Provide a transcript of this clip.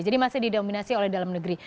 jadi masih didominasi oleh dalam negeri